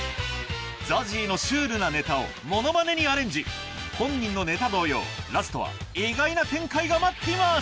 ＺＡＺＹのシュールなネタをものまねにアレンジ本人のネタ同様ラストは意外な展開が待っています・